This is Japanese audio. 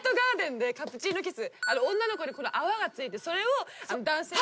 女の子に泡がついてそれを男性が。